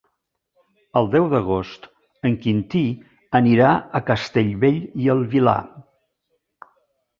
El deu d'agost en Quintí anirà a Castellbell i el Vilar.